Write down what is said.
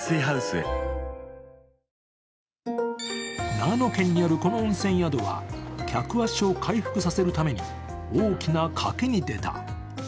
長野県にあるこの温泉宿は客足を回復させるために大きな賭けに出た。